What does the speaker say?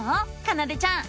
かなでちゃん。